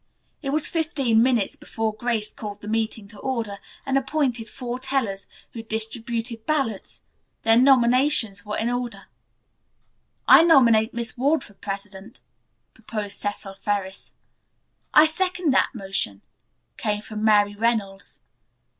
It was fifteen minutes before Grace again called the meeting to order, and appointed four tellers, who distributed ballots. Then nominations were in order. "I nominate Miss Ward for president," proposed Cecil Ferris. "I second the motion," came from Mary Reynolds.